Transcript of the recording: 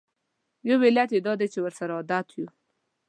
یو علت یې دا دی چې ورسره عادت یوو.